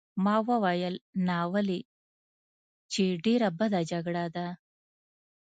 هغه وویل: ناولې! چې ډېره بده جګړه ده.